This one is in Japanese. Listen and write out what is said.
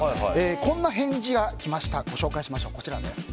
こんな返事が来ました。